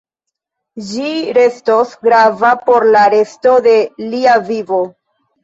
Ĝi restos grava por la resto de lia vivo.